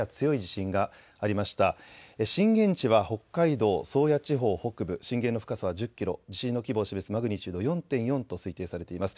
震源地は北海道宗谷地方北部、震源の深さは１０キロ、地震の規模を示すマグニチュードは４．４と推定されています。